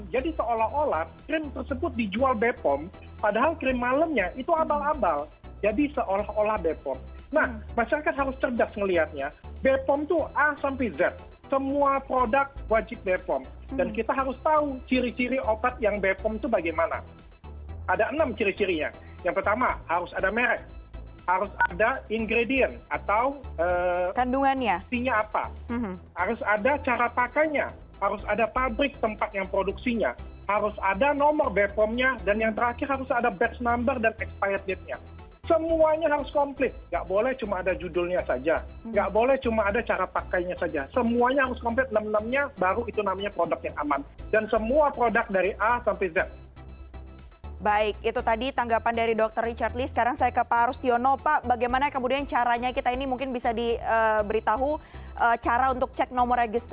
jadi kita bisa sudah ada ya sudah ada aplikasi